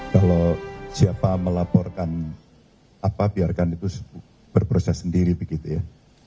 kalau siapa melaporkan apa biarkan itu berproses sendiri begitu ya